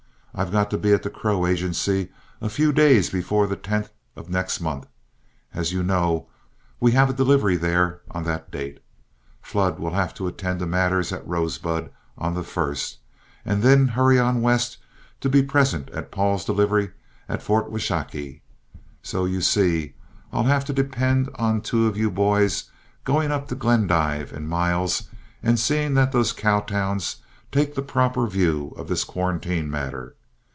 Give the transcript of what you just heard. I've got to be at the Crow Agency a few days before the 10th of next month, as you know we have a delivery there on that date. Flood will have to attend to matters at Rosebud on the 1st, and then hurry on west and be present at Paul's delivery at Fort Washakie. So you see I'll have to depend on two of you boys going up to Glendive and Miles and seeing that those cow towns take the proper view of this quarantine matter.